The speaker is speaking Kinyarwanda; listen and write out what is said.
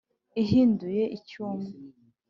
igihinduye icy’umwe,